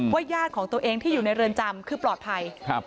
ญาติของตัวเองที่อยู่ในเรือนจำคือปลอดภัย